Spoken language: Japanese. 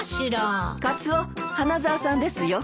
カツオ花沢さんですよ。